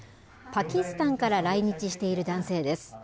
パキスタンから来日している男性です。